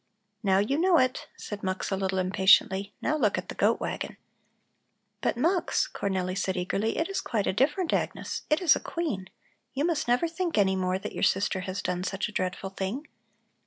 "Now you know it," said Mux a little impatiently. "Now look at the goat wagon." "But Mux," Cornelli said eagerly, "it is quite a different Agnes, it is a queen. You must never think any more that your sister has done such a dreadful thing."